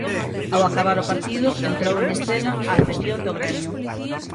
Ao acabar o partido entrou en escena a afección do Gremio.